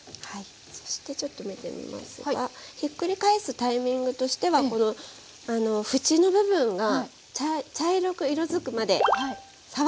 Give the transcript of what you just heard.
そしてちょっと見てみますがひっくり返すタイミングとしてはこの縁の部分が茶色く色づくまで触らない！